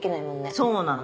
そうなのよ。